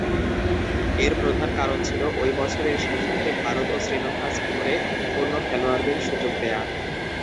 এর প্রধান কারণ ছিল, ঐ বছরের শেষদিকে ভারত ও শ্রীলঙ্কা সফরে অন্য খেলোয়াড়দেরকে সুযোগ দেয়া।